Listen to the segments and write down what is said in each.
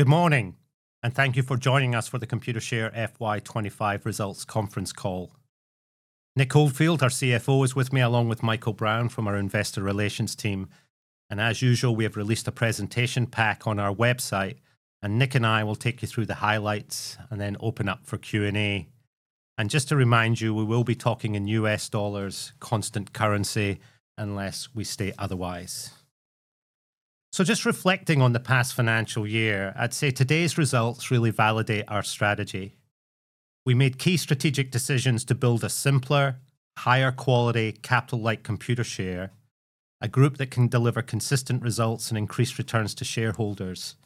Good morning, and thank you for joining us for the Computershare FY25 results conference call. Nick Oldfield, our CFO, is with me along with Michael Brown from our Investor Relations team. And as usual, we have released a presentation pack on our website, and Nick and I will take you through the highlights and then open up for Q&A. And just to remind you, we will be talking in U.S. dollars, constant currency, unless we state otherwise. So just reflecting on the past financial year, I'd say today's results really validate our strategy. We made key strategic decisions to build a simpler, higher-quality, capital-light Computershare, a group that can deliver consistent results and increased returns to shareholders,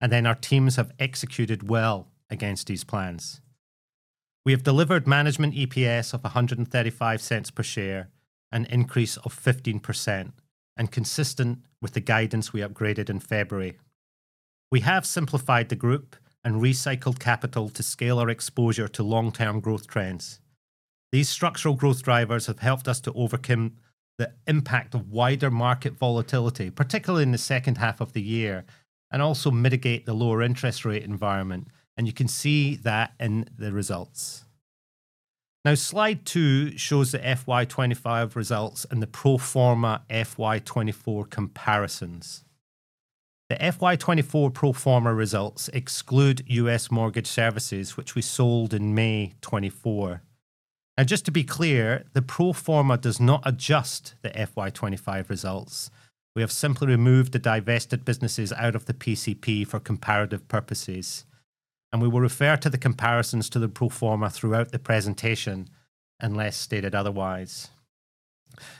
and then our teams have executed well against these plans. We have delivered Management EPS of 135 cents per share, an increase of 15%, and consistent with the guidance we upgraded in February. We have simplified the group and recycled capital to scale our exposure to long-term growth trends. These structural growth drivers have helped us to overcome the impact of wider market volatility, particularly in the second half of the year, and also mitigate the lower interest rate environment, and you can see that in the results. Now, Slide two shows the FY25 results and the Pro forma FY24 comparisons. The FY24 Pro forma results exclude U.S. Mortgage Services, which we sold in May 2024. Now, just to be clear, the Pro forma does not adjust the FY25 results. We have simply removed the divested businesses out of the PCP for comparative purposes, and we will refer to the comparisons to the Pro forma throughout the presentation, unless stated otherwise.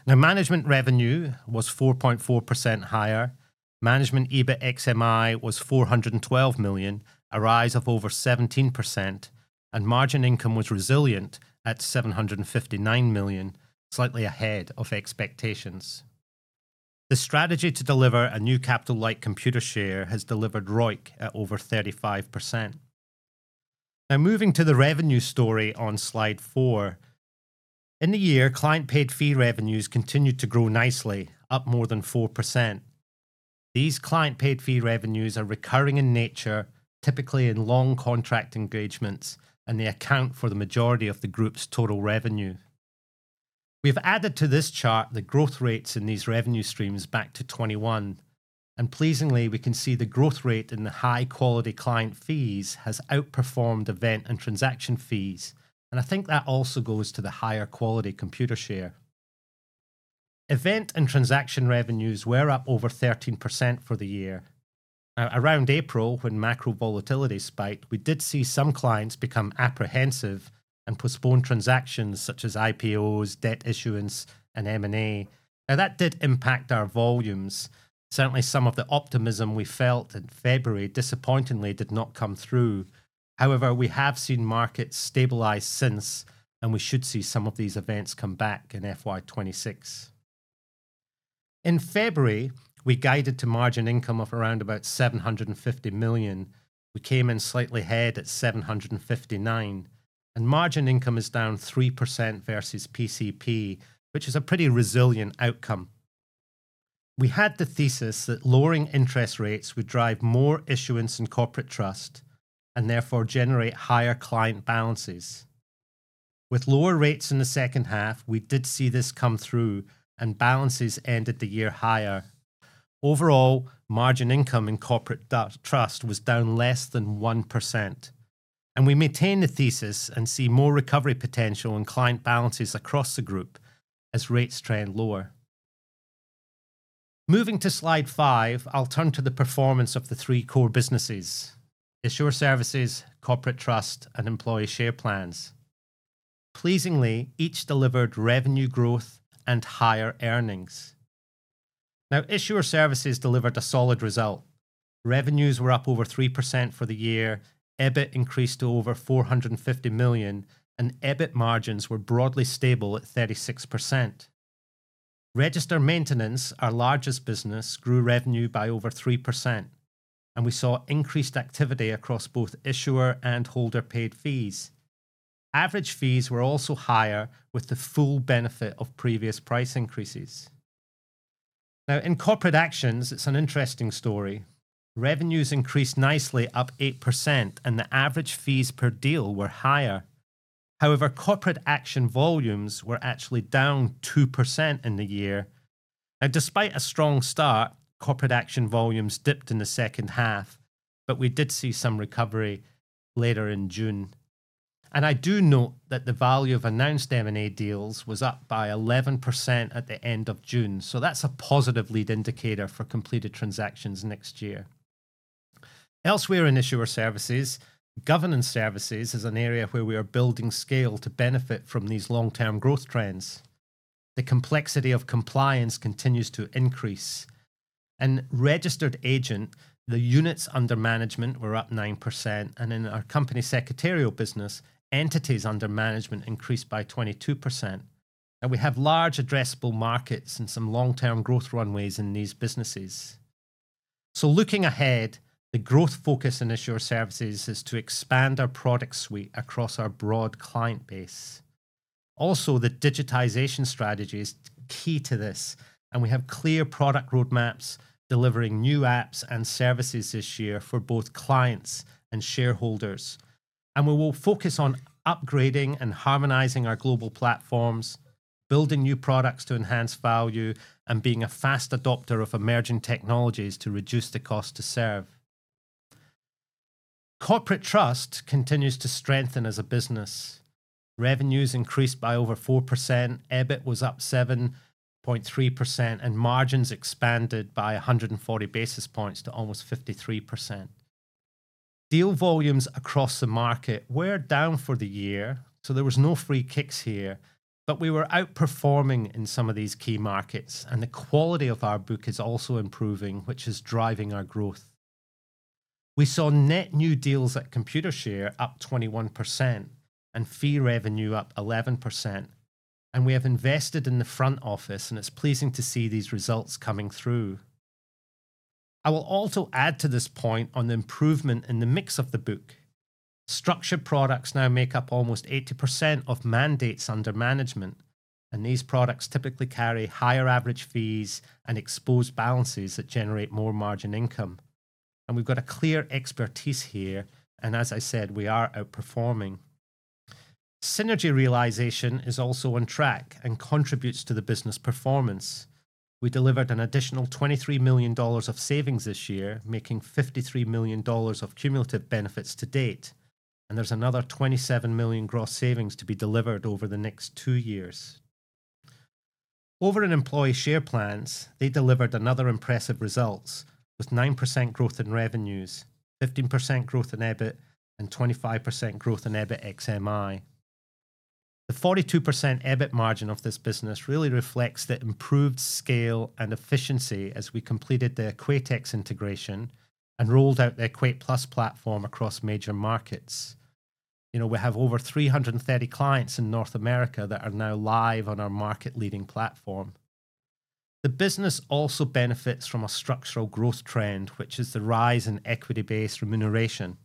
Now, Management Revenue was 4.4% higher. Management EBIT ex-MI was $412 million, a rise of over 17%, and margin income was resilient at $759 million, slightly ahead of expectations. The strategy to deliver a new capital-light Computershare has delivered ROIC at over 35%. Now, moving to the revenue story on Slide four. In the year, client-paid fee revenues continued to grow nicely, up more than 4%. These client-paid fee revenues are recurring in nature, typically in long contract engagements, and they account for the majority of the group's total revenue. We have added to this chart the growth rates in these revenue streams back to 2021, and pleasingly, we can see the growth rate in the high-quality client fees has outperformed event and transaction fees, and I think that also goes to the higher-quality Computershare. Event and transaction revenues were up over 13% for the year. Now, around April, when macro volatility spiked, we did see some clients become apprehensive and postpone transactions such as IPOs, debt issuance, and M&A. Now, that did impact our volumes. Certainly, some of the optimism we felt in February disappointingly did not come through. However, we have seen markets stabilize since, and we should see some of these events come back in FY26. In February, we guided to margin income of around about $750 million. We came in slightly ahead at $759, and margin income is down 3% versus PCP, which is a pretty resilient outcome. We had the thesis that lowering interest rates would drive more issuance in Corporate Trust and therefore generate higher client balances. With lower rates in the second half, we did see this come through, and balances ended the year higher. Overall, margin income in Corporate Trust was down less than 1%. And we maintain the thesis and see more recovery potential in client balances across the group as rates trend lower. Moving to Slide five, I'll turn to the performance of the three core businesses: Issuer Services, Corporate Trust, and Employee Share Plans. Pleasingly, each delivered revenue growth and higher earnings. Now, Issuer Services delivered a solid result. Revenues were up over 3% for the year. EBIT increased to over $450 million, and EBIT margins were broadly stable at 36%. Register Maintenance, our largest business, grew revenue by over 3%, and we saw increased activity across both issuer and holder-paid fees. Average fees were also higher with the full benefit of previous price increases. Now, in corporate actions, it's an interesting story. Revenues increased nicely, up 8%, and the average fees per deal were higher. However, corporate action volumes were actually down 2% in the year. Now, despite a strong start, corporate action volumes dipped in the second half, but we did see some recovery later in June. And I do note that the value of announced M&A deals was up by 11% at the end of June. So that's a positive lead indicator for completed transactions next year. Elsewhere in Issuer Services, Governance Services is an area where we are building scale to benefit from these long-term growth trends. The complexity of compliance continues to increase. In Registered Agent, the units under management were up 9%. And in our company secretarial business, entities under management increased by 22%. Now, we have large addressable markets and some long-term growth runways in these businesses. So looking ahead, the growth focus in Issuer Services is to expand our product suite across our broad client base. Also, the digitization strategy is key to this, and we have clear product roadmaps delivering new apps and services this year for both clients and shareholders. And we will focus on upgrading and harmonizing our global platforms, building new products to enhance value, and being a fast adopter of emerging technologies to reduce the cost to serve. Corporate Trust continues to strengthen as a business. Revenues increased by over 4%. EBIT was up 7.3%, and margins expanded by 140 basis points to almost 53%. Deal volumes across the market were down for the year, so there was no free kicks here, but we were outperforming in some of these key markets. And the quality of our book is also improving, which is driving our growth. We saw net new deals at Computershare up 21% and fee revenue up 11%. And we have invested in the front office, and it's pleasing to see these results coming through. I will also add to this point on the improvement in the mix of the book. Structured products now make up almost 80% of mandates under management, and these products typically carry higher average fees and exposed balances that generate more margin income. And we've got a clear expertise here, and as I said, we are outperforming. Synergy realization is also on track and contributes to the business performance. We delivered an additional $23 million of savings this year, making $53 million of cumulative benefits to date. And there's another $27 million gross savings to be delivered over the next two years. Over in Employee Share Plans, they delivered another impressive result with 9% growth in revenues, 15% growth in EBIT, and 25% growth in EBIT ex-MI. The 42% EBIT margin of this business really reflects the improved scale and efficiency as we completed the Equatex integration and rolled out the EquatePlus platform across major markets. You know, we have over 330 clients in North America that are now live on our market-leading platform. The business also benefits from a structural growth trend, which is the rise in equity-based remuneration.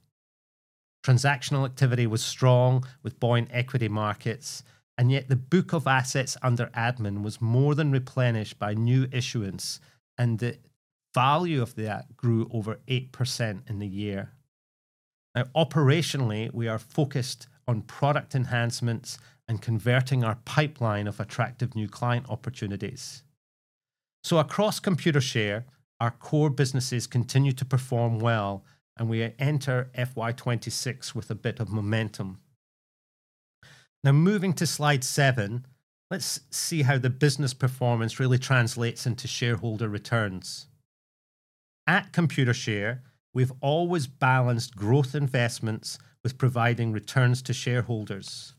Transactional activity was strong with booming equity markets, and yet the book of assets under administration was more than replenished by new issuance, and the value of that grew over 8% in the year. Now, operationally, we are focused on product enhancements and converting our pipeline of attractive new client opportunities, so across Computershare, our core businesses continue to perform well, and we enter FY26 with a bit of momentum. Now, moving to Slide seven, let's see how the business performance really translates into shareholder returns. At Computershare, we've always balanced growth investments with providing returns to shareholders.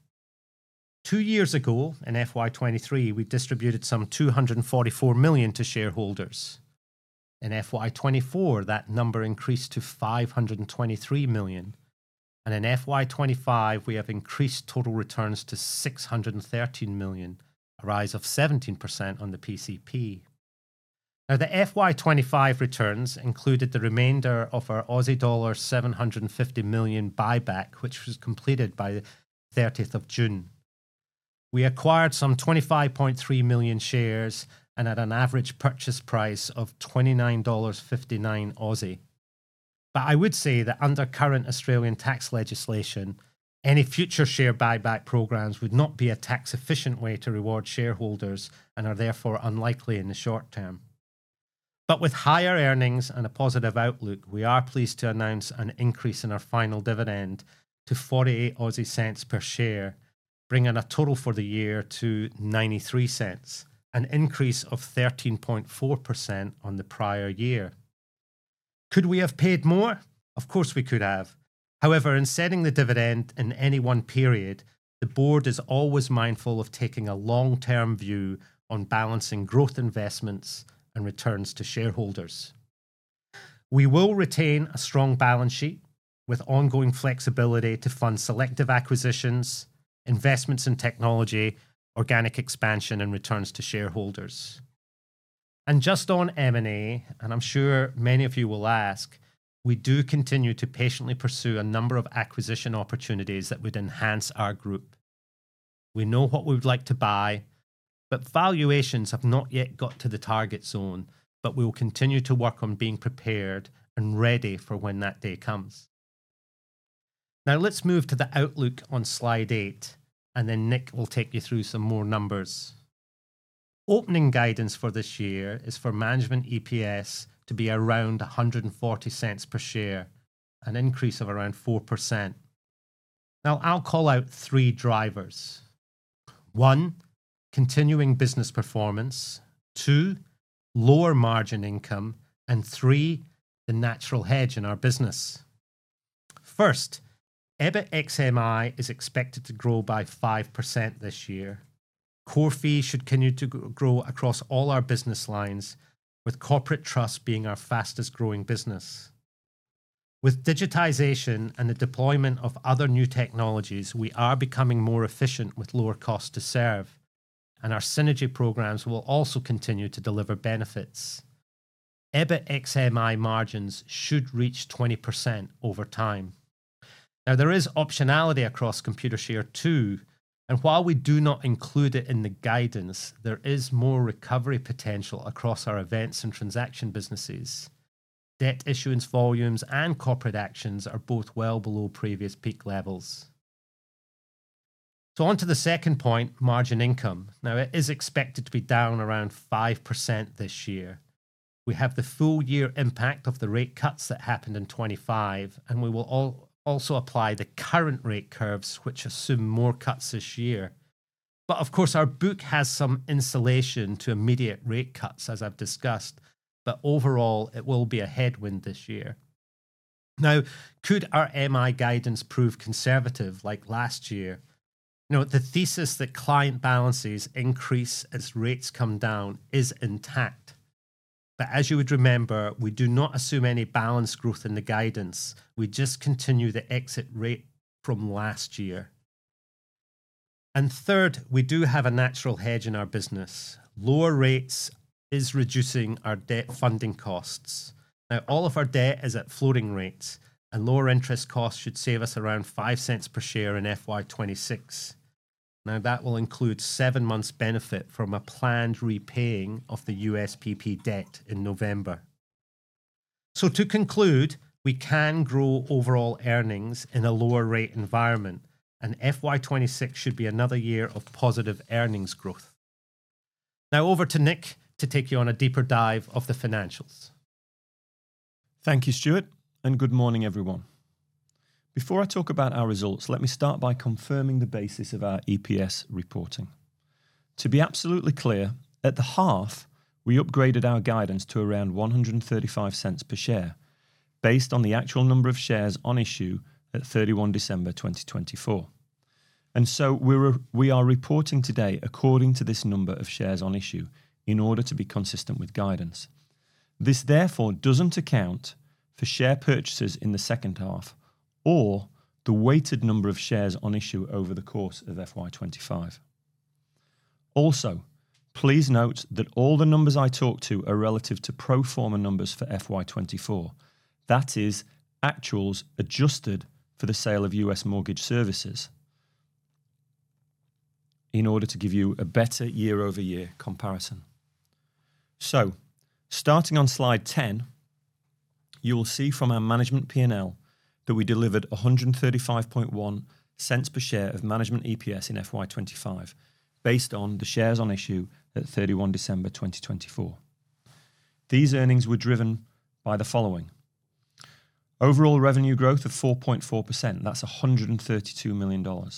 Two years ago, in FY23, we distributed some $244 million to shareholders. In FY24, that number increased to $523 million, and in FY25, we have increased total returns to $613 million, a rise of 17% on the PCP. Now, the FY25 returns included the remainder of our Aussie dollar $750 million buyback, which was completed by the 30th of June. We acquired some 25.3 million shares and had an average purchase price of $29.59 Aussie, but I would say that under current Australian tax legislation, any future share buyback programs would not be a tax-efficient way to reward shareholders and are therefore unlikely in the short term. But with higher earnings and a positive outlook, we are pleased to announce an increase in our final dividend to $0.48 per share, bringing a total for the year to $0.93, an increase of 13.4% on the prior year. Could we have paid more? Of course we could have. However, in setting the dividend in any one period, the board is always mindful of taking a long-term view on balancing growth investments and returns to shareholders. We will retain a strong balance sheet with ongoing flexibility to fund selective acquisitions, investments in technology, organic expansion, and returns to shareholders. And just on M&A, and I'm sure many of you will ask, we do continue to patiently pursue a number of acquisition opportunities that would enhance our group. We know what we would like to buy, but valuations have not yet got to the target zone. We will continue to work on being prepared and ready for when that day comes. Now, let's move to the outlook on Slide eight, and then Nick will take you through some more numbers. Opening guidance for this year is for Management EPS to be around 140 cents per share, an increase of around 4%. Now, I'll call out three drivers: one, continuing business performance, two, lower Margin Income, and three, the natural hedge in our business. First, EBIT ex-MI is expected to grow by 5% this year. Core fees should continue to grow across all our business lines, with Corporate Trust being our fastest-growing business. With digitization and the deployment of other new technologies, we are becoming more efficient with lower cost to serve, and our synergy programs will also continue to deliver benefits. EBIT ex-MI margins should reach 20% over time. Now, there is optionality across Computershare too, and while we do not include it in the guidance, there is more recovery potential across our events and transaction businesses. Debt issuance volumes and corporate actions are both well below previous peak levels. So on to the second point, margin income. Now, it is expected to be down around 5% this year. We have the full year impact of the rate cuts that happened in 2025, and we will also apply the current rate curves, which assume more cuts this year. But of course, our book has some insulation to immediate rate cuts, as I've discussed, but overall, it will be a headwind this year. Now, could our MI guidance prove conservative like last year? You know, the thesis that client balances increase as rates come down is intact. But as you would remember, we do not assume any balance growth in the guidance. We just continue the exit rate from last year. And third, we do have a natural hedge in our business. Lower rates are reducing our debt funding costs. Now, all of our debt is at floating rates, and lower interest costs should save us around $0.05 per share in FY26. Now, that will include seven months' benefit from a planned repaying of the USPP debt in November. So to conclude, we can grow overall earnings in a lower rate environment, and FY26 should be another year of positive earnings growth. Now, over to Nick to take you on a deeper dive of the financials. Thank you, Stuart, and good morning, everyone. Before I talk about our results, let me start by confirming the basis of our EPS reporting. To be absolutely clear, at the half, we upgraded our guidance to around 135 cents per share based on the actual number of shares on issue at 31 December 2024. And so we are reporting today according to this number of shares on issue in order to be consistent with guidance. This therefore doesn't account for share purchases in the second half or the weighted number of shares on issue over the course of FY25. Also, please note that all the numbers I talk to are relative to pro forma numbers for FY24. That is, actuals adjusted for the sale of U.S. Mortgage Services in order to give you a better year-over-year comparison. Starting on Slide 10, you'll see from our Management P&L that we delivered 135.1 cents per share of Management EPS in FY25 based on the shares on issue at 31 December 2024. These earnings were driven by the following: overall revenue growth of 4.4%. That's $132 million.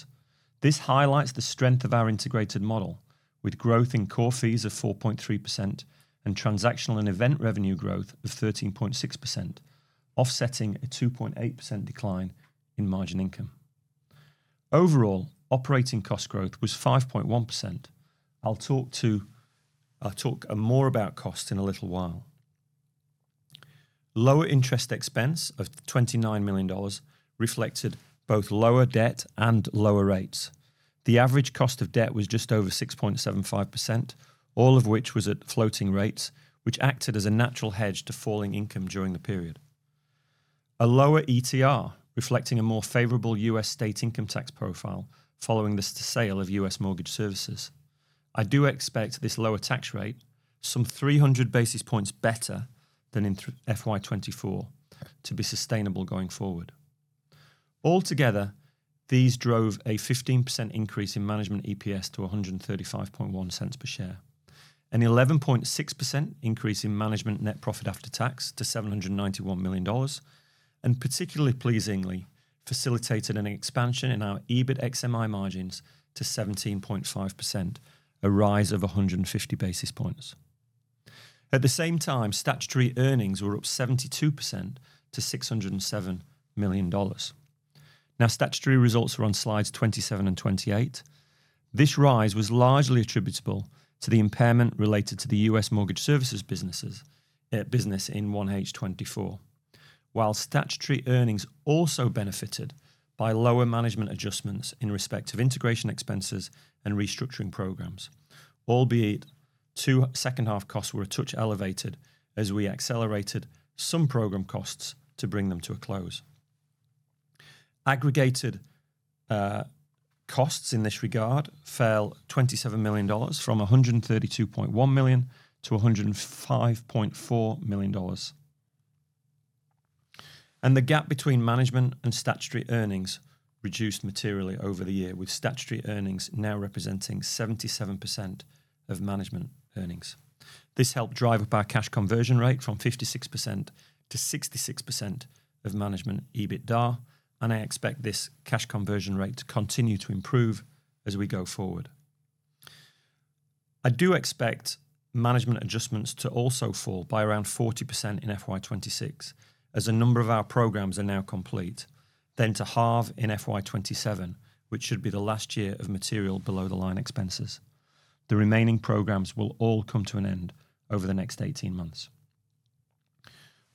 This highlights the strength of our integrated model with growth in core fees of 4.3% and transactional and event revenue growth of 13.6%, offsetting a 2.8% decline in margin income. Overall, operating cost growth was 5.1%. I'll talk more about cost in a little while. Lower interest expense of $29 million reflected both lower debt and lower rates. The average cost of debt was just over 6.75%, all of which was at floating rates, which acted as a natural hedge to falling income during the period. A lower ETR reflecting a more favorable U.S. state income tax profile following the sale of U.S. Mortgage Services. I do expect this lower tax rate, some 300 basis points better than in FY24, to be sustainable going forward. Altogether, these drove a 15% increase in Management EPS to 135.1 cents per share, an 11.6% increase in Management Net Profit After Tax to $791 million, and particularly pleasingly facilitated an expansion in our EBIT ex-MI margins to 17.5%, a rise of 150 basis points. At the same time, statutory earnings were up 72% to $607 million. Now, statutory results are on Slides 27 and 28. This rise was largely attributable to the impairment related to the U.S. Mortgage Services business in 1H24, while statutory earnings also benefited by lower management adjustments in respect of integration expenses and restructuring programs, albeit the second half costs were a touch elevated as we accelerated some program costs to bring them to a close. Aggregated costs in this regard fell $27 million from $132.1 million to $105.4 million. The gap between management and statutory earnings reduced materially over the year, with statutory earnings now representing 77% of Management Earnings. This helped drive up our cash conversion rate from 56%-66% of Management EBITDA, and I expect this cash conversion rate to continue to improve as we go forward. I do expect management adjustments to also fall by around 40% in FY26 as a number of our programs are now complete, then to halve in FY27, which should be the last year of material below-the-line expenses. The remaining programs will all come to an end over the next 18 months.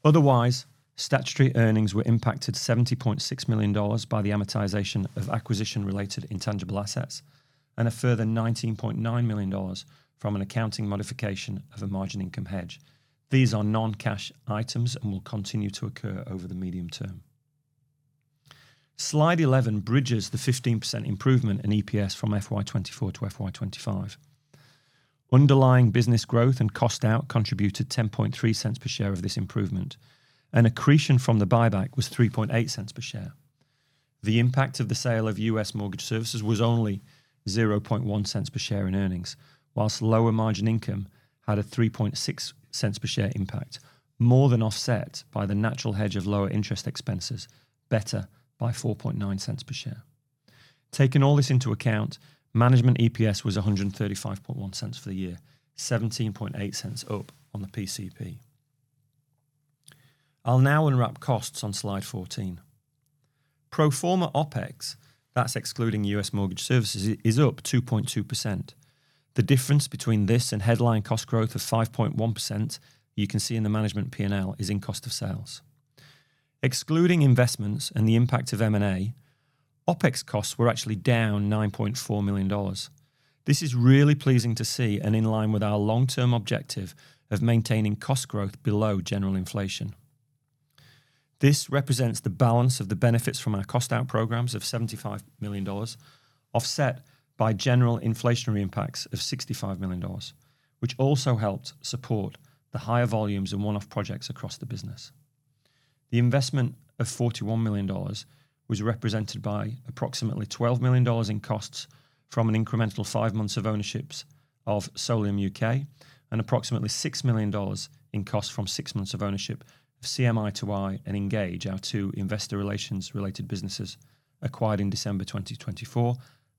Otherwise, statutory earnings were impacted $70.6 million by the amortization of acquisition-related intangible assets and a further $19.9 million from an accounting modification of a margin income hedge. These are non-cash items and will continue to occur over the medium term. Slide 11 bridges the 15% improvement in EPS from FY24 to FY25. Underlying business growth and cost out contributed $0.10 per share of this improvement. An accretion from the buyback was $0.38 per share. The impact of the sale of U.S. Mortgage Services was only $0.01 per share in earnings, while lower margin income had a $0.36 per share impact, more than offset by the natural hedge of lower interest expenses, better by $0.49 per share. Taking all this into account, Management EPS was 135.1 cents for the year, $0.17 up on the PCP. I'll now unwrap costs on slide 14. Pro forma OpEx, that's excluding U.S. Mortgage Services, is up 2.2%. The difference between this and headline cost growth of 5.1% you can see in the Management P&L is in cost of sales. Excluding investments and the impact of M&A, OpEx costs were actually down $9.4 million. This is really pleasing to see and in line with our long-term objective of maintaining cost growth below general inflation. This represents the balance of the benefits from our cost out programs of $75 million offset by general inflationary impacts of $65 million, which also helped support the higher volumes and one-off projects across the business. The investment of $41 million was represented by approximately $12 million in costs from an incremental five months of ownerships of Solium UK and approximately $6 million in costs from six months of ownership of CMi2i and Ingage, our two investor relations-related businesses acquired in December 2024,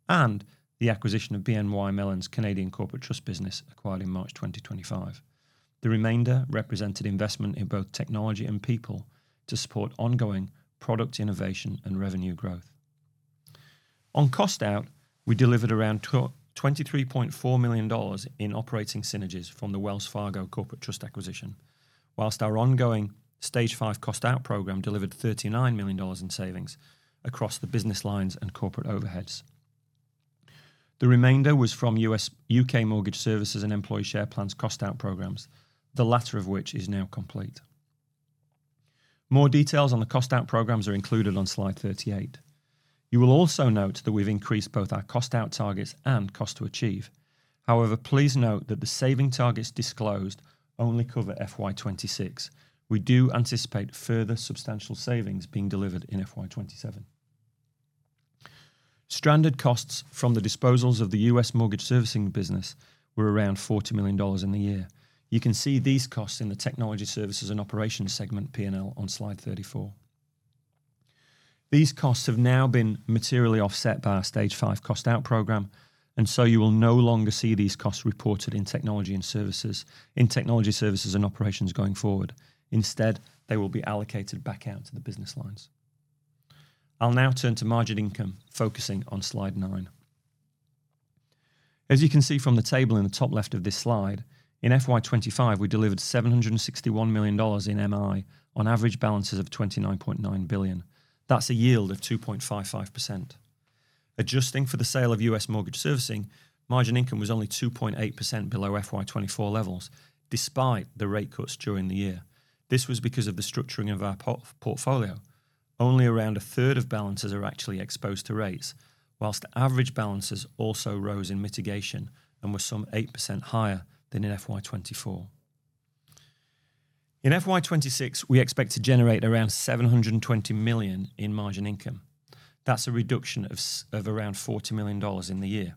and the acquisition of BNY Mellon's Canadian Corporate Trust business acquired in March 2025. The remainder represented investment in both technology and people to support ongoing product innovation and revenue growth. On cost out, we delivered around $23.4 million in operating synergies from the Wells Fargo Corporate Trust acquisition, while our ongoing Stage five cost out program delivered $39 million in savings across the business lines and corporate overheads. The remainder was from U.K. Mortgage Services and employee share plans cost out programs, the latter of which is now complete. More details on the cost out programs are included on Slide 38. You will also note that we've increased both our cost out targets and cost to achieve. However, please note that the saving targets disclosed only cover FY26. We do anticipate further substantial savings being delivered in FY27. Stranded costs from the disposals of the U.S. Mortgage Servicing business were around $40 million in the year. You can see these costs in the Technology Services and Operations segment P&L on Slide 34. These costs have now been materially offset by our Stage five cost out program, and so you will no longer see these costs reported in Technology Services and Operations going forward. Instead, they will be allocated back out to the business lines. I'll now turn to margin income, focusing on Slide nine. As you can see from the table in the top left of this Slide, in FY25, we delivered $761 million in MI on average balances of $29.9 billion. That's a yield of 2.55%. Adjusting for the sale of U.S. Mortgage Servicing, margin income was only 2.8% below FY24 levels despite the rate cuts during the year. This was because of the structuring of our portfolio. Only around a third of balances are actually exposed to rates, whilst average balances also rose in mitigation and were some 8% higher than in FY24. In FY26, we expect to generate around $720 million in margin income. That's a reduction of around $40 million in the year.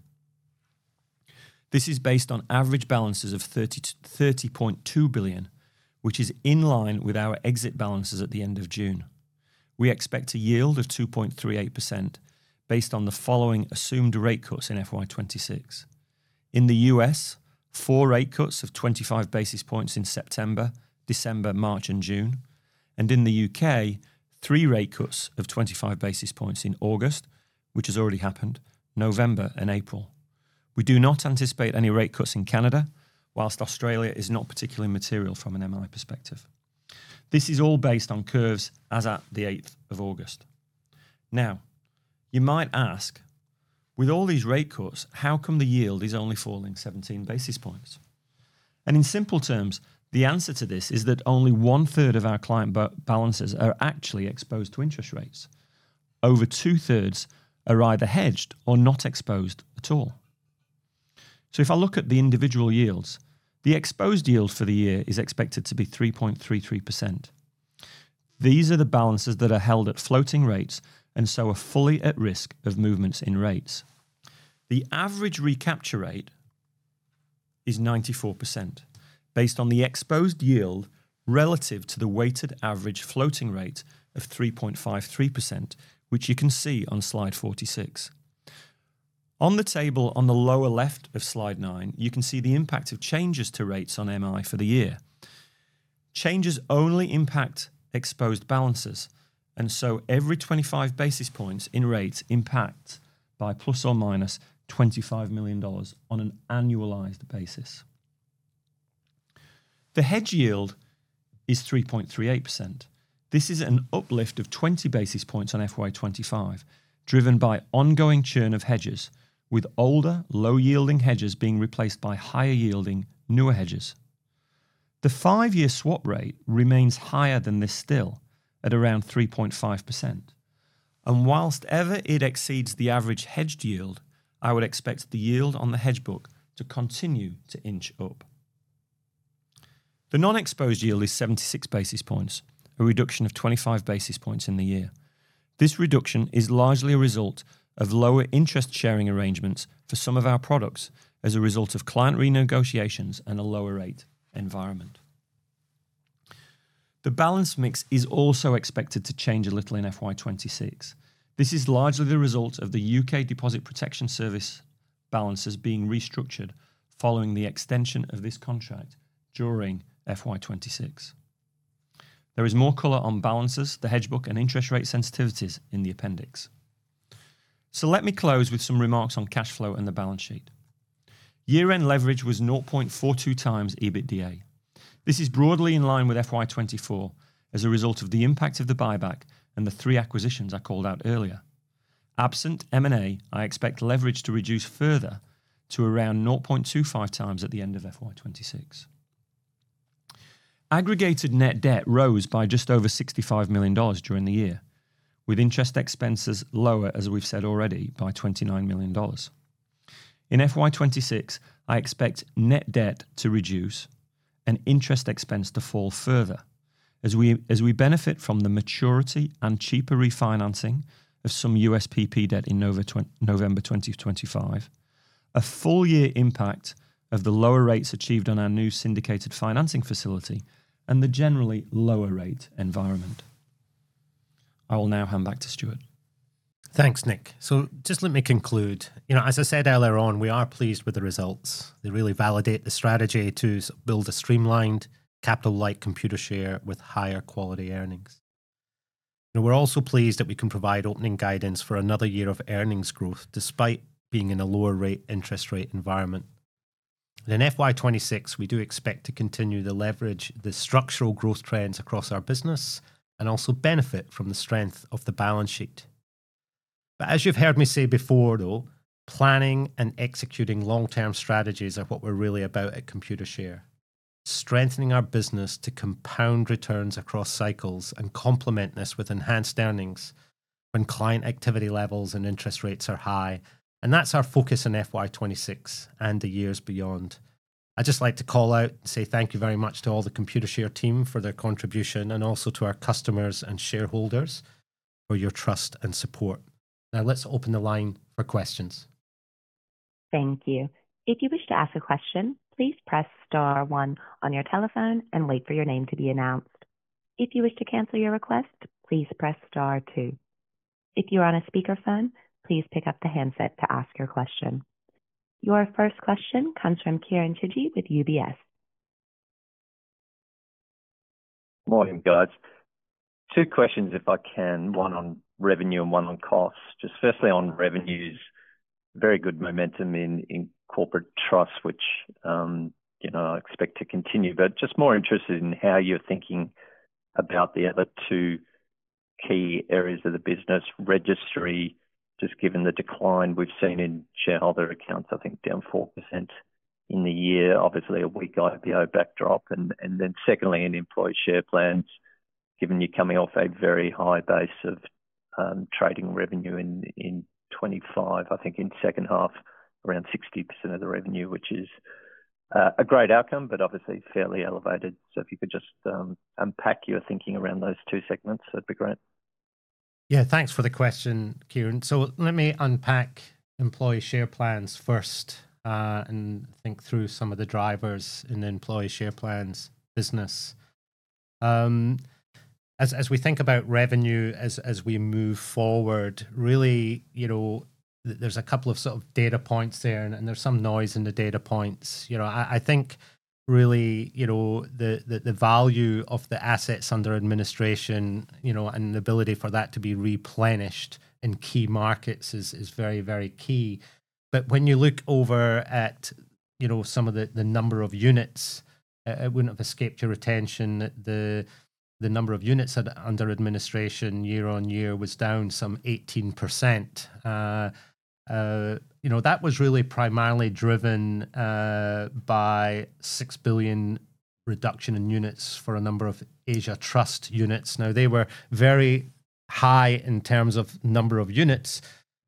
This is based on average balances of $30.2 billion, which is in line with our exit balances at the end of June. We expect a yield of 2.38% based on the following assumed rate cuts in FY26. In the U.S., four rate cuts of 25 basis points in September, December, March, and June, and in the U.K., three rate cuts of 25 basis points in August, which has already happened, November and April. We do not anticipate any rate cuts in Canada, whilst Australia is not particularly material from an MI perspective. This is all based on curves as at the 8th of August. Now, you might ask, with all these rate cuts, how come the yield is only falling 17 basis points? In simple terms, the answer to this is that only one third of our client balances are actually exposed to interest rates. Over two thirds are either hedged or not exposed at all. So if I look at the individual yields, the exposed yield for the year is expected to be 3.33%. These are the balances that are held at floating rates and so are fully at risk of movements in rates. The average recapture rate is 94% based on the exposed yield relative to the weighted average floating rate of 3.53%, which you can see on Slide 46. On the table on the lower left of Slide nine, you can see the impact of changes to rates on MI for the year. Changes only impact exposed balances, and so every 25 basis points in rates impact by plus or minus $25 million on an annualized basis. The hedge yield is 3.38%. This is an uplift of 20 basis points on FY25, driven by ongoing churn of hedges, with older low-yielding hedges being replaced by higher-yielding newer hedges. The five-year swap rate remains higher than this still at around 3.5%, and while ever it exceeds the average hedged yield, I would expect the yield on the hedge book to continue to inch up. The non-exposed yield is 76 basis points, a reduction of 25 basis points in the year. This reduction is largely a result of lower interest sharing arrangements for some of our products as a result of client renegotiations and a lower rate environment. The balance mix is also expected to change a little in FY26. This is largely the result of the U.K. Deposit Protection Service balances being restructured following the extension of this contract during FY26. There is more color on balances, the hedge book, and interest rate sensitivities in the appendix. So let me close with some remarks on cash flow and the balance sheet. Year-end leverage was 0.42 times EBITDA. This is broadly in line with FY24 as a result of the impact of the buyback and the three acquisitions I called out earlier. Absent M&A, I expect leverage to reduce further to around 0.25 times at the end of FY26. Aggregated net debt rose by just over $65 million during the year, with interest expenses lower, as we've said already, by $29 million. In FY26, I expect net debt to reduce and interest expense to fall further as we benefit from the maturity and cheaper refinancing of some USPP debt in November 2025, a full year impact of the lower rates achieved on our new syndicated financing facility and the generally lower rate environment. I will now hand back to Stuart. Thanks, Nick. So just let me conclude. As I said earlier on, we are pleased with the results. They really validate the strategy to build a streamlined capital-light Computershare with higher quality earnings. We're also pleased that we can provide opening guidance for another year of earnings growth despite being in a lower rate interest rate environment. In FY26, we do expect to continue to leverage the structural growth trends across our business and also benefit from the strength of the balance sheet. But as you've heard me say before, though, planning and executing long-term strategies are what we're really about at Computershare, strengthening our business to compound returns across cycles and complement this with enhanced earnings when client activity levels and interest rates are high. And that's our focus in FY26 and the years beyond. I'd just like to call out and say thank you very much to all the Computershare team for their contribution and also to our customers and shareholders for your trust and support. Now let's open the line for questions. Thank you. If you wish to ask a question, please press star one on your telephone and wait for your name to be announced. If you wish to cancel your request, please press star two. If you are on a speakerphone, please pick up the handset to ask your question. Your first question comes from Kieren Chidgey with UBS. Morning, Stuart. Two questions, if I can, one on revenue and one on costs. Just firstly, on revenues, very good momentum in Corporate Trust, which I expect to continue, but just more interested in how you're thinking about the other two key areas of the business registry, just given the decline we've seen in shareholder accounts, I think down 4% in the year, obviously a weak IPO backdrop. And then secondly, in employee share plans, given you're coming off a very high base of trading revenue in 2025, I think in second half, around 60% of the revenue, which is a great outcome, but obviously fairly elevated. So if you could just unpack your thinking around those two segments, that'd be great. Yeah, thanks for the question, Kieren. So let me unpack employee share plans first and think through some of the drivers in the employee share plans business. As we think about revenue as we move forward, really there's a couple of sort of data points there and there's some noise in the data points. I think really the value of the assets under administration and the ability for that to be replenished in key markets is very, very key. But when you look over at some of the number of units, it wouldn't have escaped your attention, the number of units under administration year on year was down some 18%. That was really primarily driven by 6 billion reduction in units for a number of Asia Trust units. Now, they were very high in terms of number of units,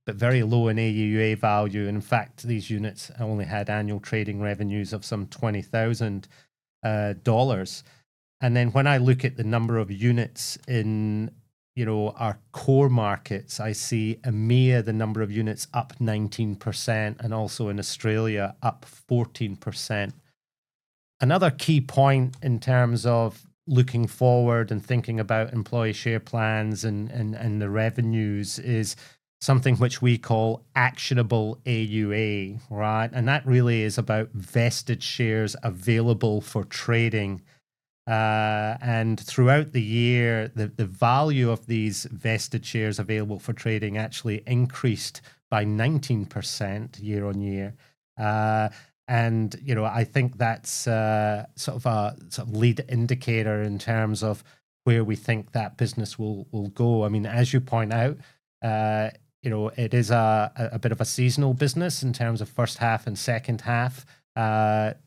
but very low in AUA value. In fact, these units only had annual trading revenues of some $20,000. Then when I look at the number of units in our core markets, I see EMEA, the number of units up 19%, and also in Australia, up 14%. Another key point in terms of looking forward and thinking about employee share plans and the revenues is something which we call actionable AUA, right? That really is about vested shares available for trading. Throughout the year, the value of these vested shares available for trading actually increased by 19% year on year. I think that's sort of a lead indicator in terms of where we think that business will go. I mean, as you point out, it is a bit of a seasonal business in terms of first half and second half,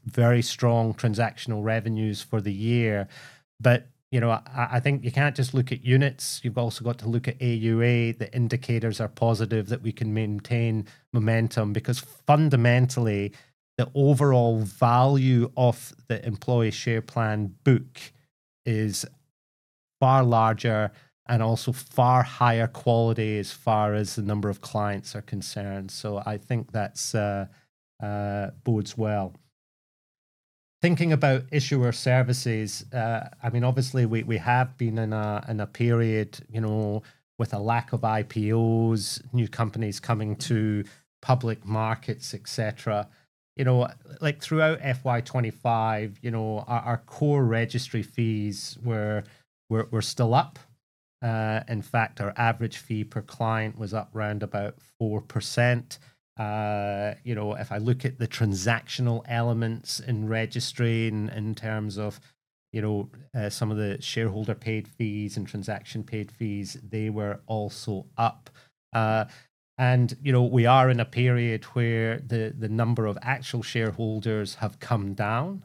very strong transactional revenues for the year. But I think you can't just look at units. You've also got to look at AUA. The indicators are positive that we can maintain momentum because fundamentally, the overall value of the employee share plan book is far larger and also far higher quality as far as the number of clients are concerned. So I think that bodes well. Thinking about issuer services, I mean, obviously we have been in a period with a lack of IPOs, new companies coming to public markets, etc. Throughout FY25, our core registry fees were still up. In fact, our average fee per client was up around about 4%. If I look at the transactional elements in registry in terms of some of the shareholder-paid fees and transaction-paid fees, they were also up. And we are in a period where the number of actual shareholders have come down.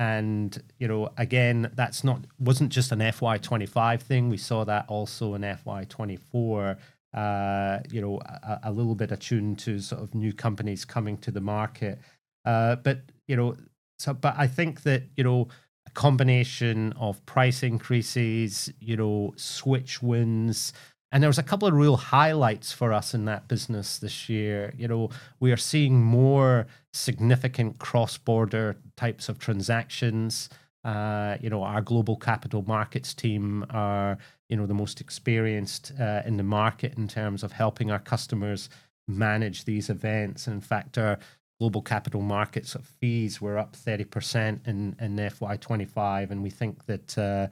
Again, that wasn't just an FY25 thing. We saw that also in FY24, a little bit attuned to sort of new companies coming to the market. But I think that a combination of price increases, switch wins, and there was a couple of real highlights for us in that business this year. We are seeing more significant cross-border types of transactions. Our Global Capital Markets team are the most experienced in the market in terms of helping our customers manage these events. In fact, our Global Capital Markets fees were up 30% in FY25. We think that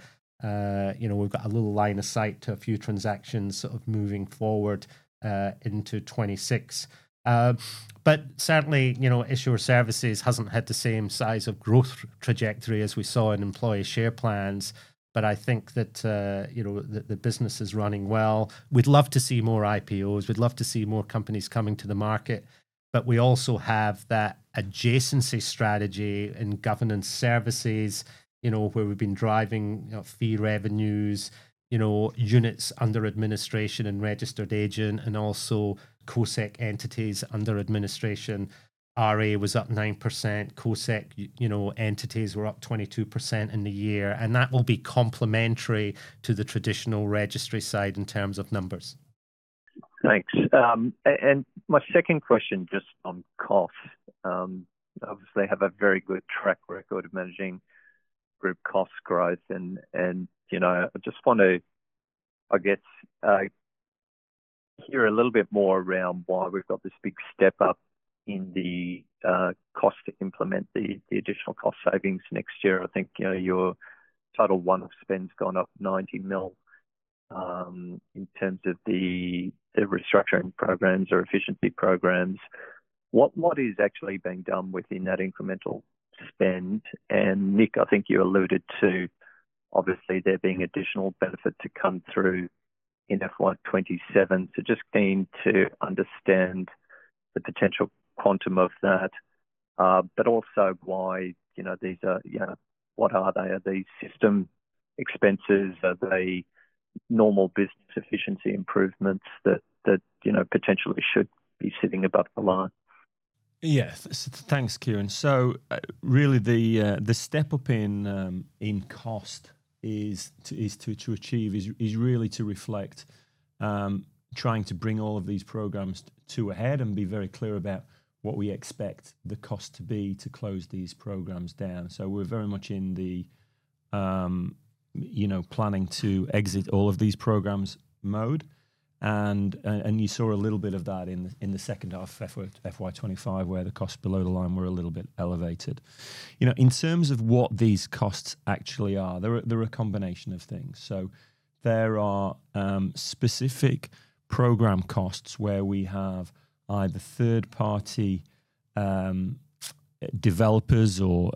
we've got a little line of sight to a few transactions sort of moving forward into 2026. Certainly, Issuer Services hasn't had the same size of growth trajectory as we saw in Employee Share Plans. I think that the business is running well. We'd love to see more IPOs. We'd love to see more companies coming to the market. But we also have that adjacency strategy in governance services where we've been driving fee revenues, units under administration and Registered Agent, and also CoSec entities under administration. RA was up 9%. CoSec entities were up 22% in the year. And that will be complementary to the traditional registry side in terms of numbers. Thanks. And my second question just on cost. Obviously, I have a very good track record of managing group cost growth. And I just want to, I guess, hear a little bit more around why we've got this big step up in the cost to implement the additional cost savings next year. I think your IT spend's gone up 90 million in terms of the restructuring programs or efficiency programs. What is actually being done within that incremental spend? And Nick, I think you alluded to, obviously, there being additional benefit to come through in FY27. So just keen to understand the potential quantum of that, but also why these are what are they? Are they system expenses? Are they normal business efficiency improvements that potentially should be sitting above the line? Yeah, thanks, Kieren. So really, the step up in cost to achieve is really to reflect trying to bring all of these programs to a head and be very clear about what we expect the cost to be to close these programs down. So we're very much in the planning to exit all of these programs mode. And you saw a little bit of that in the second half of FY25, where the costs below the line were a little bit elevated. In terms of what these costs actually are, they're a combination of things. So there are specific program costs where we have either third-party developers or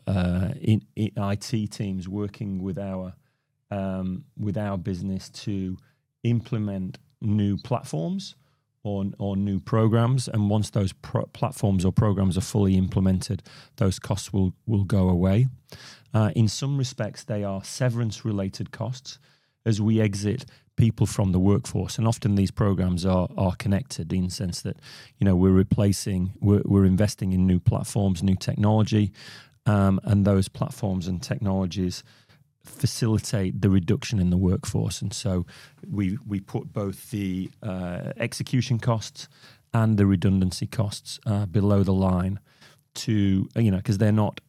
IT teams working with our business to implement new platforms or new programs. And once those platforms or programs are fully implemented, those costs will go away. In some respects, they are severance-related costs as we exit people from the workforce. And often, these programs are connected in the sense that we're replacing, we're investing in new platforms, new technology, and those platforms and technologies facilitate the reduction in the workforce. And so we put both the execution costs and the redundancy costs below the line because they're not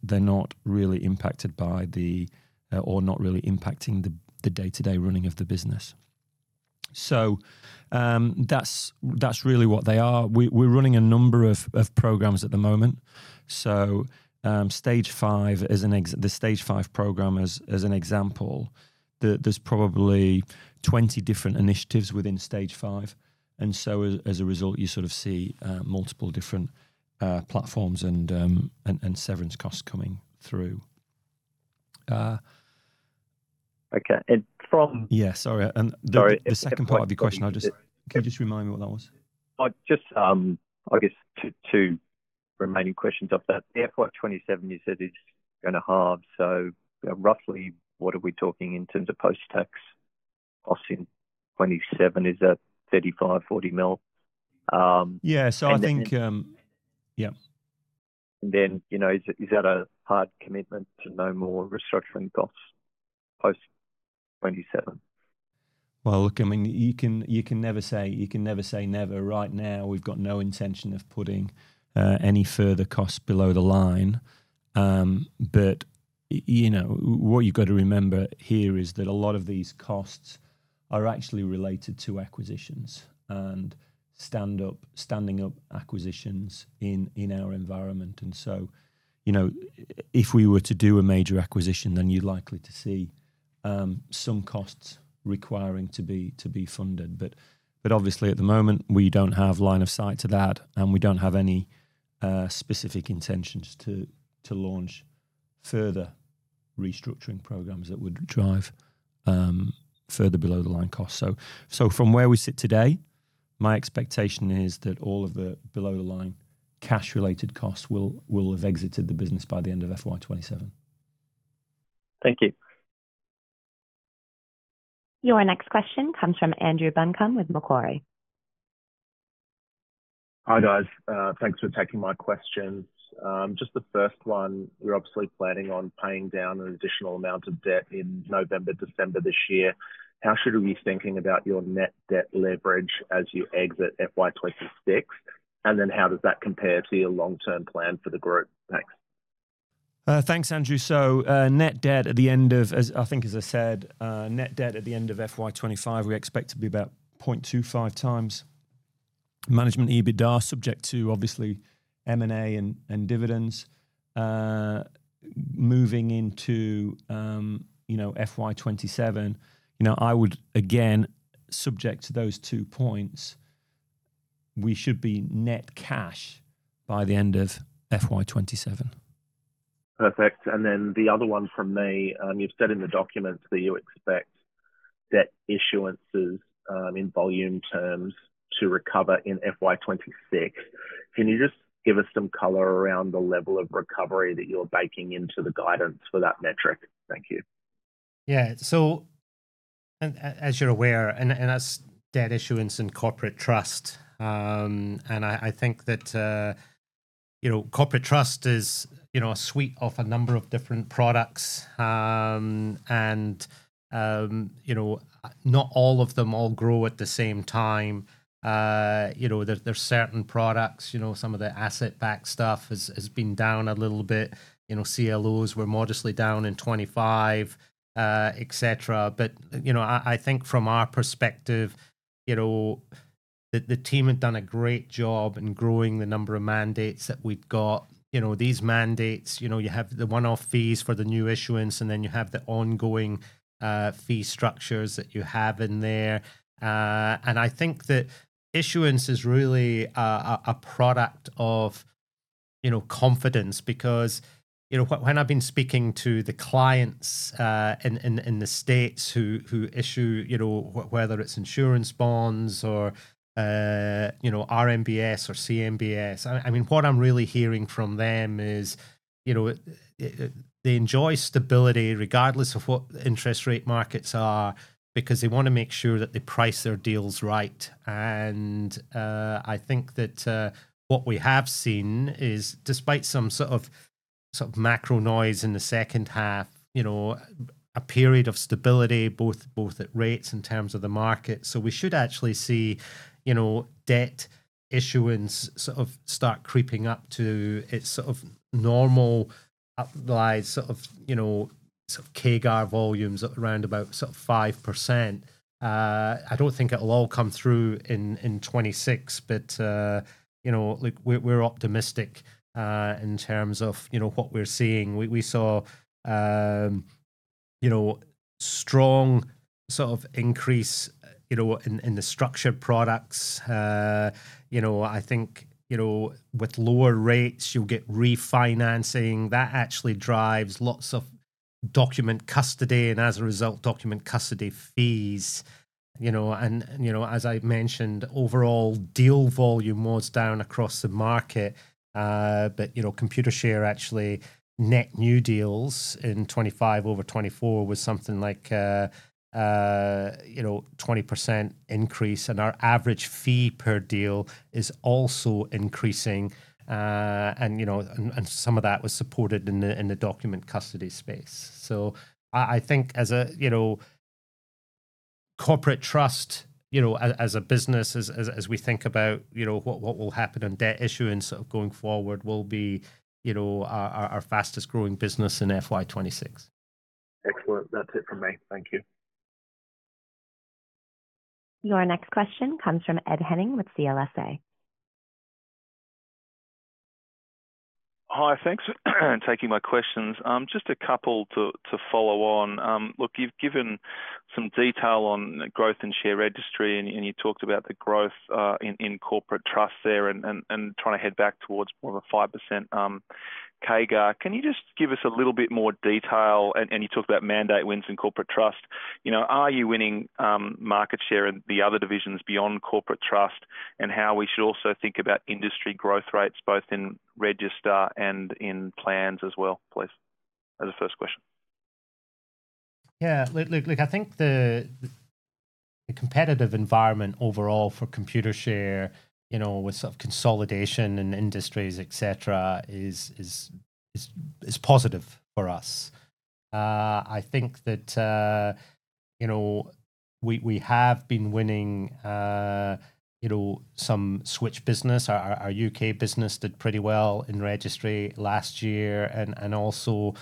really impacted by the or not really impacting the day-to-day running of the business. So that's really what they are. We're running a number of programs at the moment. So Stage five, the Stage five program as an example, there's probably 20 different initiatives within Stage five. So as a result, you sort of see multiple different platforms and severance costs coming through. Okay. Yeah, sorry. The second part of your question, can you just remind me what that was? Just, I guess, two remaining questions of that. The FY27, you said, is going to halve. So roughly, what are we talking in terms of post-tax costs in '27? Is that $35 million-$40 million? Yeah, so I think, yeah. And then is that a hard commitment to no more restructuring costs post '27? Well, look, I mean, you can never say, you can never say never. Right now, we've got no intention of putting any further costs below the line. But what you've got to remember here is that a lot of these costs are actually related to acquisitions and standing up acquisitions in our environment. If we were to do a major acquisition, then you're likely to see some costs requiring to be funded. But obviously, at the moment, we don't have line of sight to that, and we don't have any specific intentions to launch further restructuring programs that would drive further below-the-line costs. So from where we sit today, my expectation is that all of the below-the-line cash-related costs will have exited the business by the end of FY27. Thank you. Your next question comes from Andrew Buncombe with Macquarie. Hi, guys. Thanks for taking my questions. Just the first one, you're obviously planning on paying down an additional amount of debt in November, December this year. How should we be thinking about your net debt leverage as you exit FY26? And then how does that compare to your long-term plan for the group? Thanks. Thanks, Andrew. So, net debt at the end of, I think, as I said, net debt at the end of FY25, we expect to be about 0.25 times Management EBITDA, subject to obviously M&A and dividends. Moving into FY27, I would, again, subject to those two points, we should be net cash by the end of FY27. Perfect. And then the other one from me, you've said in the documents that you expect debt issuances in volume terms to recover in FY26. Can you just give us some color around the level of recovery that you're baking into the guidance for that metric? Thank you. Yeah. So as you're aware, and that's debt issuance and Corporate Trust. And I think that Corporate Trust is a suite of a number of different products. And not all of them grow at the same time. There's certain products, some of the asset-backed stuff has been down a little bit. CLOs were modestly down in 2025, etc., but I think from our perspective, the team had done a great job in growing the number of mandates that we'd got. These mandates, you have the one-off fees for the new issuance, and then you have the ongoing fee structures that you have in there, and I think that issuance is really a product of confidence because when I've been speaking to the clients in the States who issue, whether it's insurance bonds or RMBS or CMBS, I mean, what I'm really hearing from them is they enjoy stability regardless of what interest rate markets are because they want to make sure that they price their deals right. I think that what we have seen is, despite some sort of macro noise in the second half, a period of stability, both at rates in terms of the market. We should actually see debt issuance sort of start creeping up to its sort of normal upside sort of CAGR volumes at around about sort of 5%. I don't think it'll all come through in 2026, but look, we're optimistic in terms of what we're seeing. We saw strong sort of increase in the structured products. I think with lower rates, you'll get refinancing. That actually drives lots of document custody and, as a result, document custody fees. And as I mentioned, overall deal volume was down across the market. But Computershare, actually, net new deals in 2025 over 2024 was something like a 20% increase. And our average fee per deal is also increasing. And some of that was supported in the document custody space. So I think as Corporate Trust, as a business, as we think about what will happen in debt issuance going forward, we'll be our fastest-growing business in FY26. Excellent. That's it from me. Thank you. Your next question comes from Ed Henning with CLSA. Hi, thanks for taking my questions. Just a couple to follow on. Look, you've given some detail on growth in share registry, and you talked about the growth in Corporate Trust there and trying to head back towards more of a 5% CAGR. Can you just give us a little bit more detail? And you talked about mandate wins in Corporate Trust. Are you winning market share in the other divisions beyond Corporate Trust? And how we should also think about industry growth rates, both in register and in plans as well, please, as a first question. Yeah. Look, I think the competitive environment overall for Computershare with sort of consolidation in industries, etc., is positive for us. I think that we have been winning some switch business. Our U.K. business did pretty well in registry last year and also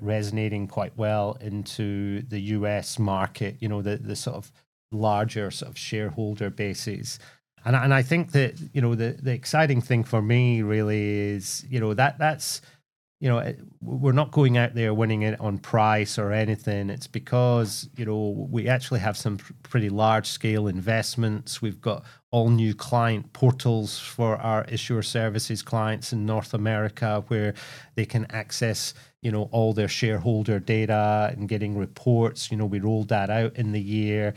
resonating quite well into the U.S. market, the sort of larger sort of shareholder bases. And I think that the exciting thing for me really is that we're not going out there winning it on price or anything. It's because we actually have some pretty large-scale investments. We've got all-new client portals for our issuer services clients in North America where they can access all their shareholder data and getting reports. We rolled that out in the year.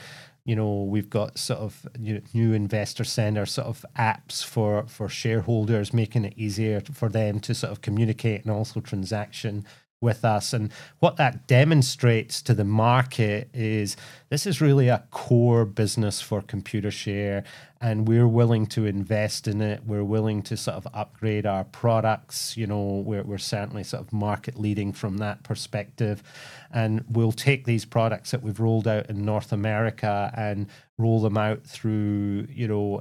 We've got sort of new Investor Center sort of apps for shareholders, making it easier for them to sort of communicate and also transact with us. And what that demonstrates to the market is this is really a core business for Computershare, and we're willing to invest in it. We're willing to sort of upgrade our products. We're certainly sort of market-leading from that perspective. And we'll take these products that we've rolled out in North America and roll them out through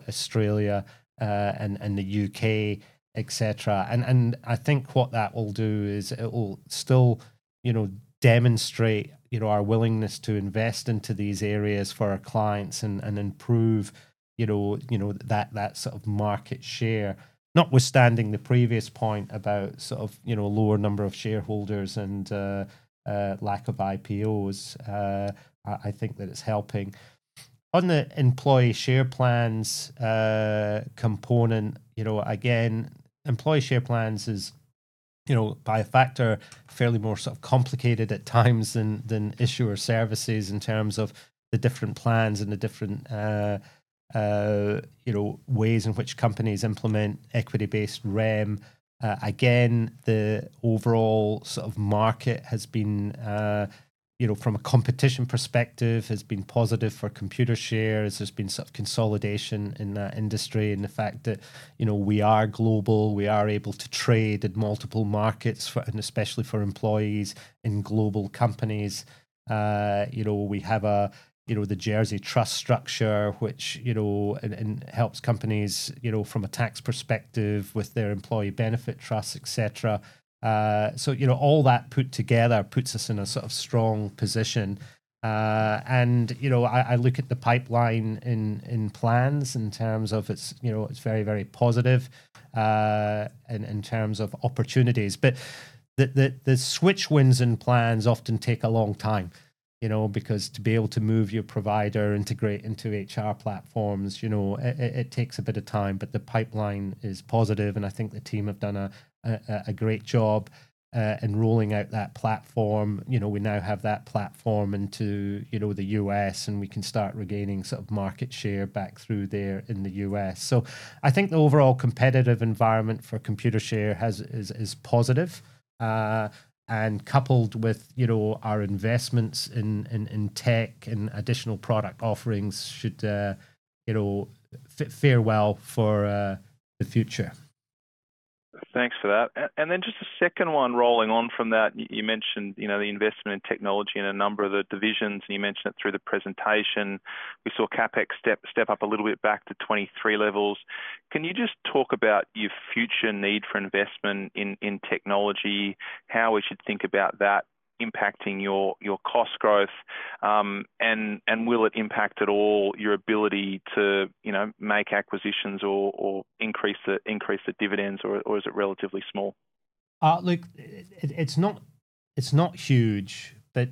Australia and the U.K., etc. And I think what that will do is it will still demonstrate our willingness to invest into these areas for our clients and improve that sort of market share, notwithstanding the previous point about sort of lower number of shareholders and lack of IPOs. I think that it's helping. On the employee share plans component, again, employee share plans is, by a factor, fairly more sort of complicated at times than issuer services in terms of the different plans and the different ways in which companies implement equity-based REM. Again, the overall sort of market has been, from a competition perspective, has been positive for Computershare. There's been sort of consolidation in that industry and the fact that we are global. We are able to trade in multiple markets, and especially for employees in global companies. We have the Jersey Trust structure, which helps companies from a tax perspective with their employee benefit trusts, etc. So all that put together puts us in a sort of strong position. I look at the pipeline in plans in terms of it's very, very positive in terms of opportunities. But the switch wins in plans often take a long time because to be able to move your provider, integrate into HR platforms, it takes a bit of time. But the pipeline is positive, and I think the team have done a great job in rolling out that platform. We now have that platform into the U.S., and we can start regaining sort of market share back through there in the U.S. So I think the overall competitive environment for Computershare is positive. And coupled with our investments in tech and additional product offerings should fare well for the future. Thanks for that. And then just a second one rolling on from that. You mentioned the investment in technology in a number of the divisions, and you mentioned it through the presentation. We saw CapEx step up a little bit back to 2023 levels. Can you just talk about your future need for investment in technology, how we should think about that impacting your cost growth, and will it impact at all your ability to make acquisitions or increase the dividends, or is it relatively small? Look, it's not huge, but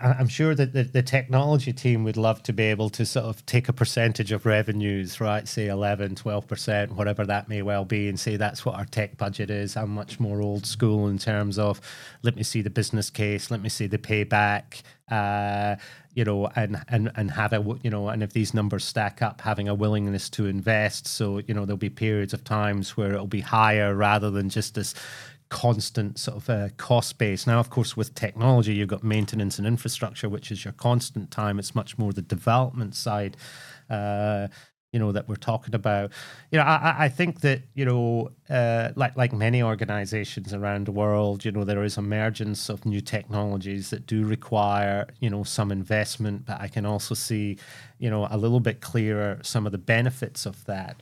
I'm sure that the technology team would love to be able to sort of take a percentage of revenues, right, say 11%-12%, whatever that may well be, and say, "That's what our tech budget is." I'm much more old school in terms of, let me see the business case. Let me see the payback and have a—and if these numbers stack up, having a willingness to invest. So there'll be periods of times where it'll be higher rather than just this constant sort of cost base. Now, of course, with technology, you've got maintenance and infrastructure, which is your constant time. It's much more the development side that we're talking about. I think that, like many organizations around the world, there is emergence of new technologies that do require some investment, but I can also see a little bit clearer some of the benefits of that.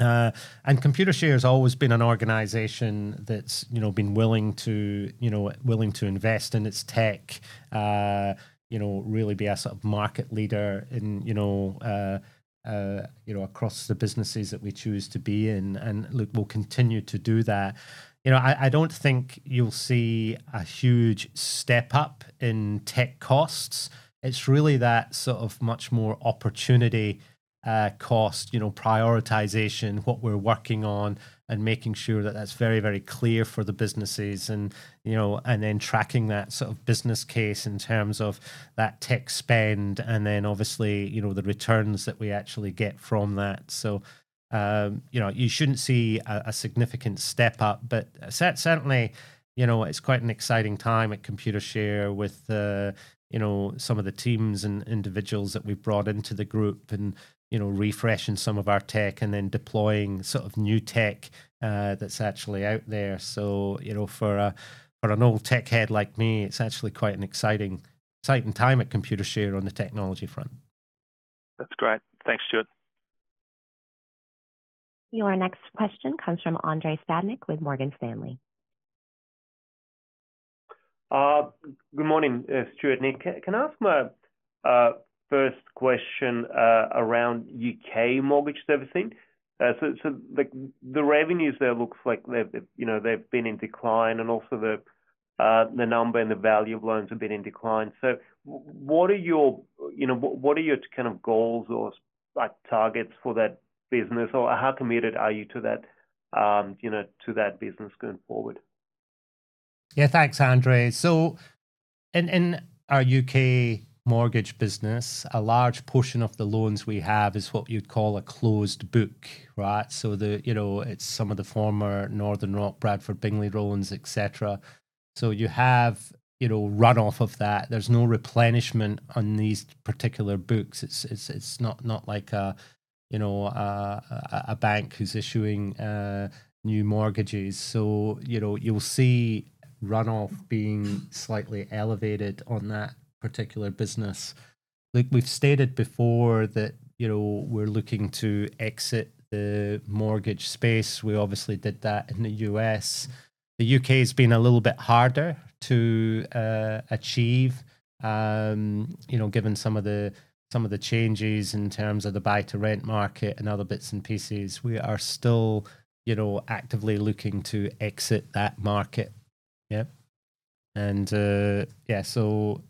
And Computershare has always been an organization that's been willing to invest in its tech, really be a sort of market leader across the businesses that we choose to be in, and look, we'll continue to do that. I don't think you'll see a huge step up in tech costs. It's really that sort of much more opportunity cost prioritization, what we're working on, and making sure that that's very, very clear for the businesses, and then tracking that sort of business case in terms of that tech spend, and then obviously the returns that we actually get from that. So you shouldn't see a significant step up, but certainly, it's quite an exciting time at Computershare with some of the teams and individuals that we've brought into the group and refreshing some of our tech and then deploying sort of new tech that's actually out there. So for an old tech head like me, it's actually quite an exciting time at Computershare on the technology front. That's great. Thanks, Stuart. Your next question comes from Andrei Stadnik with Morgan Stanley. Good morning, Stuart. Nick, can I ask my first question around U.K. Mortgage Servicing? So the revenues there look like they've been in decline, and also the number and the value of loans have been in decline. So what are your kind of goals or targets for that business, or how committed are you to that business going forward? Yeah, thanks, Andrei. So. In our U.K. Mortgage Business, a large portion of the loans we have is what you'd call a closed book, right? So it's some of the former Northern Rock, Bradford & Bingley loans, etc. So you have runoff of that. There's no replenishment on these particular books. It's not like a bank who's issuing new mortgages. So you'll see runoff being slightly elevated on that particular business. Look, we've stated before that we're looking to exit the mortgage space. We obviously did that in the U.S. The U.K. has been a little bit harder to achieve, given some of the changes in terms of the buy-to-rent market and other bits and pieces. We are still actively looking to exit that market. Yeah. And yeah, so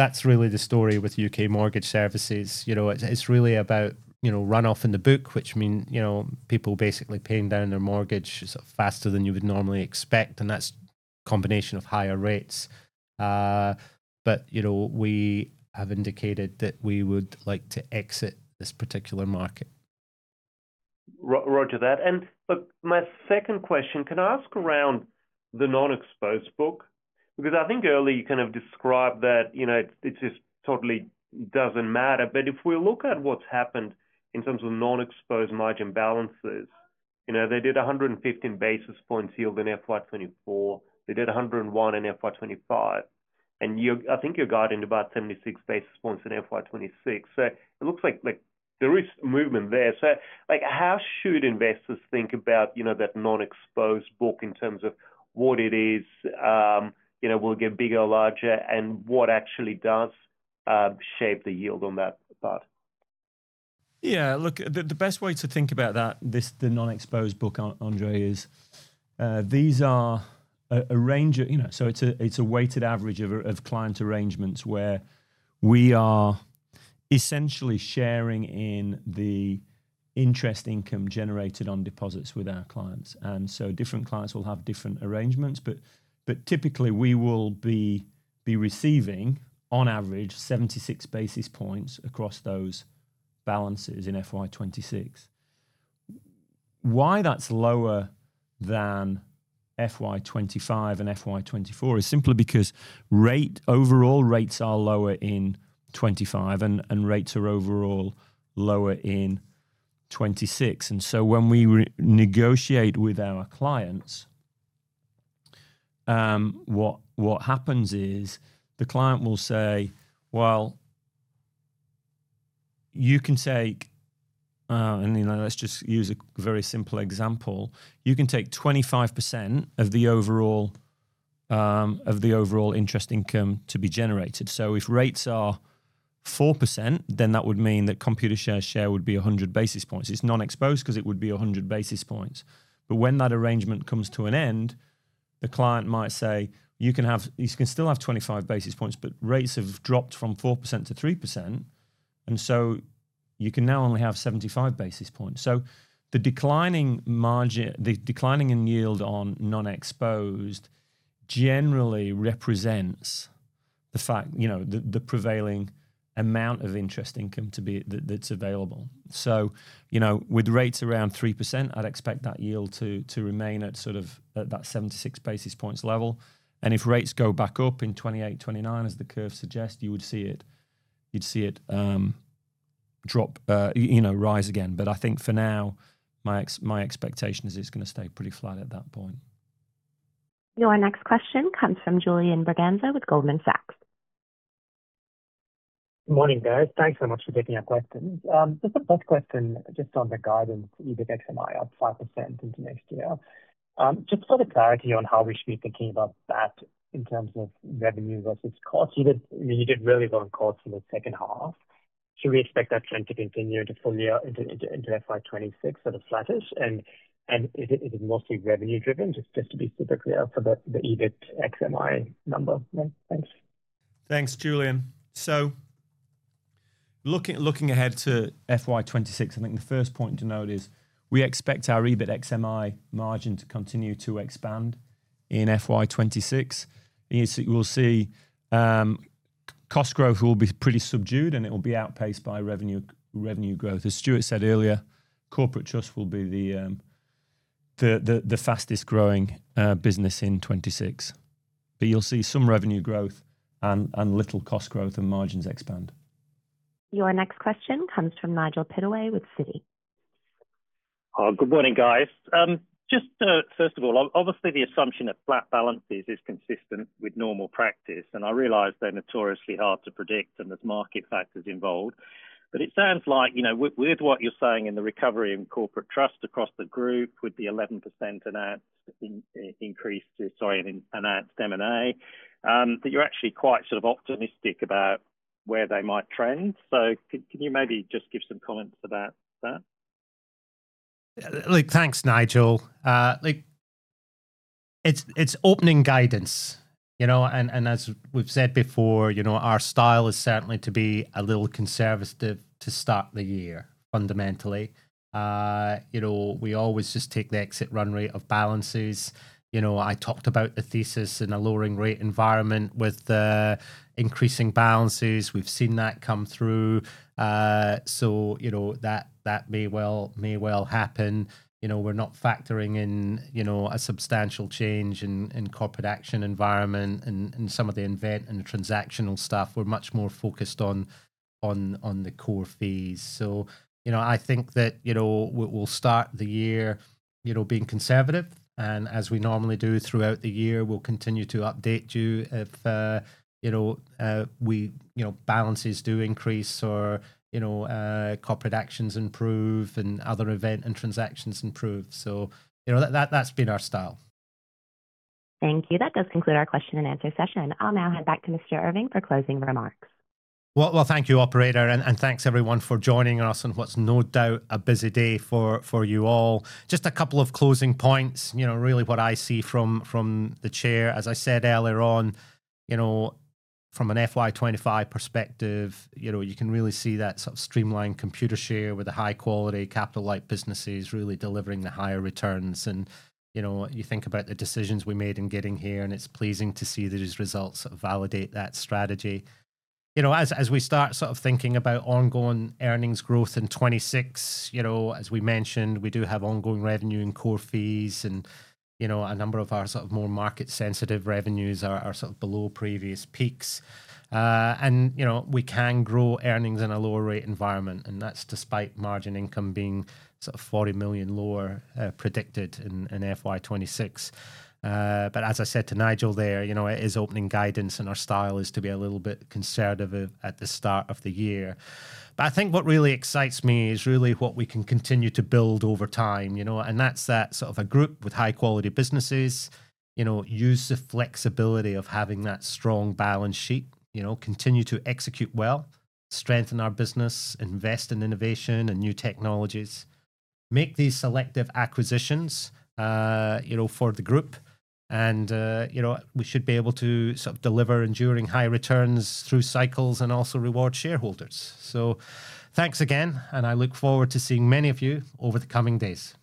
that's really the story with U.K. Mortgage Services. It's really about runoff in the book, which means people basically paying down their mortgage sort of faster than you would normally expect, and that's a combination of higher rates, but we have indicated that we would like to exit this particular market. Roger that, and look, my second question, can I ask around the non-exposed book? Because I think early you kind of described that it just totally doesn't matter, but if we look at what's happened in terms of non-exposed margin balances, they did 115 basis points yield in FY24. They did 101 in FY25, and I think you're guiding about 76 basis points in FY26. So it looks like there is movement there, so how should investors think about that non-exposed book in terms of what it is, will it get bigger, larger, and what actually does shape the yield on that part? Yeah. Look, the best way to think about the non-exposed book, Andrei, is these are a range of—so it's a weighted average of client arrangements where we are essentially sharing in the interest income generated on deposits with our clients. And so different clients will have different arrangements, but typically, we will be receiving, on average, 76 basis points across those balances in FY26. Why that's lower than FY25 and FY24 is simply because overall rates are lower in 2025, and rates are overall lower in 2026. And so when we negotiate with our clients, what happens is the client will say, "Well, you can take—" and let's just use a very simple example. "You can take 25% of the overall interest income to be generated." So if rates are 4%, then that would mean that Computershare's share would be 100 basis points. It's non-exposed because it would be 100 basis points. But when that arrangement comes to an end, the client might say, "You can still have 25 basis points, but rates have dropped from 4%-3%, and so you can now only have 75 basis points." So the decline in yield on non-exposed generally represents the prevailing amount of interest income that's available. So with rates around 3%, I'd expect that yield to remain at sort of that 76 basis points level. And if rates go back up in 2028, 2029, as the curve suggests, you would see it drop, rise again. But I think for now, my expectation is it's going to stay pretty flat at that point. Your next question comes from Julian Braganza with Goldman Sachs. Good morning, guys. Thanks so much for taking our questions. Just a quick question just on the guidance, EBIT ex-MI up 5% into next year. Just for the clarity on how we should be thinking about that in terms of revenue versus cost, you did really well on cost in the second half. Should we expect that trend to continue into FY26, sort of flattish? And is it mostly revenue-driven, just to be super clear for the EBIT ex-MI number? Thanks. Thanks, Julian. So looking ahead to FY26, I think the first point to note is we expect our EBIT ex-MI margin to continue to expand in FY26. You'll see cost growth will be pretty subdued, and it will be outpaced by revenue growth. As Stuart said earlier, Corporate Trust will be the fastest-growing business in 2026. But you'll see some revenue growth and little cost growth and margins expand. Your next question comes from Nigel Pittaway with Citi. Good morning, guys. Just first of all, obviously, the assumption of flat balances is consistent with normal practice, and I realize they're notoriously hard to predict, and there's market factors involved. But it sounds like with what you're saying in the recovery in Corporate Trust across the group with the 11% announced increase, sorry, announced M&A, that you're actually quite sort of optimistic about where they might trend. So can you maybe just give some comments about that? Look, thanks, Nigel. Look, it's opening guidance. And as we've said before, our style is certainly to be a little conservative to start the year, fundamentally. We always just take the exit run rate of balances. I talked about the thesis in a lowering rate environment with increasing balances. We've seen that come through. So that may well happen. We're not factoring in a substantial change in corporate action environment and some of the event and transactional stuff. We're much more focused on the core fees. So I think that we'll start the year being conservative. And as we normally do throughout the year, we'll continue to update you if balances do increase or corporate actions improve and other event and transactions improve. So that's been our style. Thank you. That does conclude our question and answer session. I'll now hand back to Mr. Irving for closing remarks. Thank you, operator, and thanks, everyone, for joining us on what's no doubt a busy day for you all. Just a couple of closing points, really what I see from the chair. As I said earlier on, from an FY25 perspective, you can really see that sort of streamlined Computershare with the high-quality capital-light businesses really delivering the higher returns. And you think about the decisions we made in getting here, and it's pleasing to see these results that validate that strategy. As we start sort of thinking about ongoing earnings growth in 2026, as we mentioned, we do have ongoing revenue in core fees, and a number of our sort of more market-sensitive revenues are sort of below previous peaks. And we can grow earnings in a lower rate environment, and that's despite margin income being sort of $40 million lower predicted in FY26. But as I said to Nigel there, it is opening guidance, and our style is to be a little bit conservative at the start of the year. But I think what really excites me is really what we can continue to build over time. And that's that sort of a group with high-quality businesses use the flexibility of having that strong balance sheet, continue to execute well, strengthen our business, invest in innovation and new technologies, make these selective acquisitions for the group, and we should be able to sort of deliver enduring high returns through cycles and also reward shareholders. So thanks again, and I look forward to seeing many of you over the coming days.